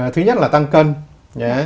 thứ nhất là tăng cân